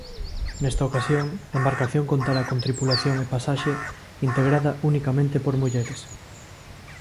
Nesta ocasión, a embarcación contará con tripulación e pasaxe integrada unicamente por mulleres.